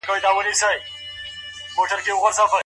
تاسو ولي په جلا ځای کي نه کښېنئ؟